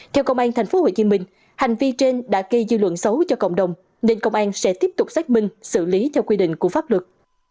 theo công an tp hcm hành vi trên đã gây dư luận xấu cho cộng đồng nên công an sẽ tiếp tục xác minh xử lý theo quy định của pháp luật